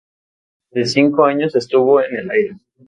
Durante cinco años estuvo en el aire.